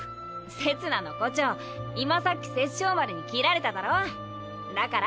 せつなの胡蝶今さっき殺生丸に斬られただろ？だから。